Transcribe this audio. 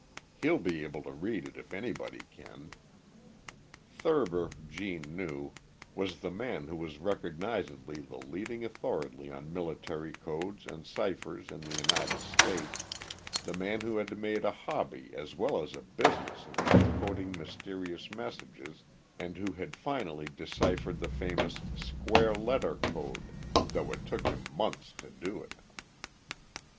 He'll be able to read it, if anybody can." Thurber, Gene knew, was the man who was recognizedly the leading authority on military codes and ciphers in the United States, the man who had made a hobby as well as a business of decoding mysterious messages and who had finally deciphered the famous "square letter" code, though it took him months to do it.